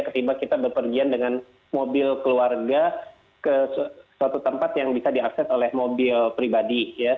ketimbang kita berpergian dengan mobil keluarga ke suatu tempat yang bisa diakses oleh mobil pribadi